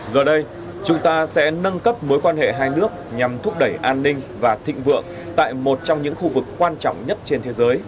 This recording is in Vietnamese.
giờ đây chúng ta sẽ nâng cấp mối quan hệ hai nước nhằm thúc đẩy an toàn